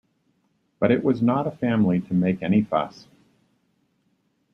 But it was not a family to make any fuss.